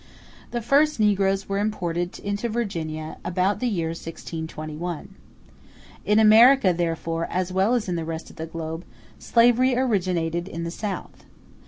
The first negroes were imported into Virginia about the year 1621. *f In America, therefore, as well as in the rest of the globe, slavery originated in the South.